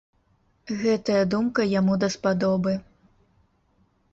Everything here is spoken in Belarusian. Гэтая думка яму даспадобы.